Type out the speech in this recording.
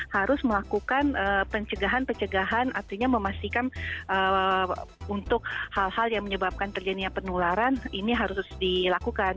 harus melakukan pencegahan pencegahan artinya memastikan untuk hal hal yang menyebabkan terjadinya penularan ini harus dilakukan